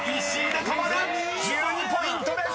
［１２ポイントです！］